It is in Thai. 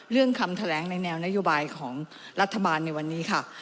คำแถลงในแนวนโยบายของรัฐบาลในวันนี้ค่ะ